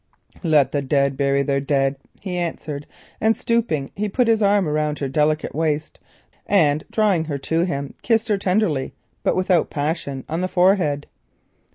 "Let the dead bury their dead," he answered, and stooping he put his arm round her delicate waist and drawing her to him kissed her tenderly but without passion on her forehead.